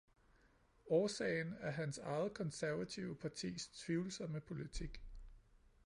Årsagen er hans eget konservative partis tvivlsomme politik.